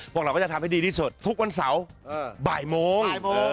พวกเราก็จะทำให้ดีที่สุดทุกวันเสาร์บ่ายโมง